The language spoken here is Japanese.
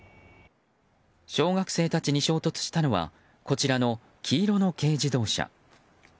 小学生たちに衝突したのはこちらの黄色の軽自動車。